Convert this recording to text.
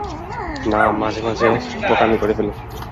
না, মাঝে মাঝে বোকামি করে ফেলি।